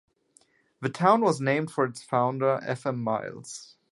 The town was named for its founder, F. M. Miles.